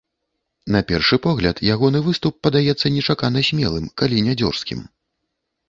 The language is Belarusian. На першы погляд ягоны выступ падаецца нечакана смелым, калі не дзёрзкім.